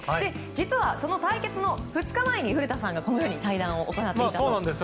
実は、その対決の２日前に古田さんが対談を行っていたんです。